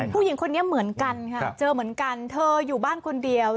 ผู้หญิงคนนี้เหมือนกันค่ะเจอเหมือนกันเธออยู่บ้านคนเดียว